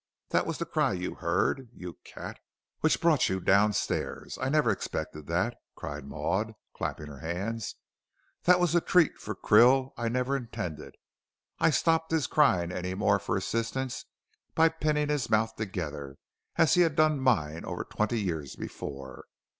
That was the cry you heard, you cat, and which brought you downstairs. I never expected that," cried Maud, clapping her hands; "that was a treat for Krill I never intended. I stopped his crying any more for assistance by pinning his mouth together, as he had done mine over twenty years before.